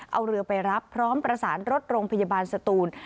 เอาเรือไปรับพร้อมประสานรถโรงพยาบาลสตูน